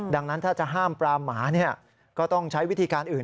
ดังนั้นถ้าจะห้ามปรามหมาก็ต้องใช้วิธีการอื่น